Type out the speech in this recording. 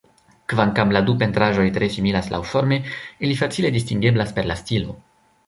Kvankam la du pentraĵoj tre similas laŭforme, ili facile distingeblas per la stilo.